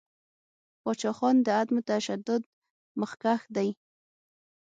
پاچاخان د عدم تشدد مخکښ دی.